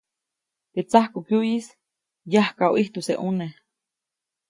Teʼ tsajkokyuʼyis yajkaʼu ʼijtujse ʼuneʼ.